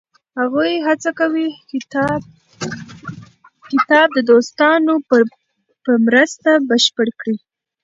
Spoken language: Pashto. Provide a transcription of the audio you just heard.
هغوی هڅه کوي کتاب د دوستانو په مرسته بشپړ کړي.